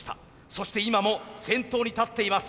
そして今も先頭に立っています。